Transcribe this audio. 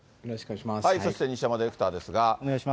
そして西山ディレクターですお願いします。